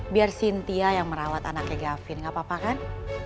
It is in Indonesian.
biar cynthia yang merawat anaknya gavin gak apa apa kan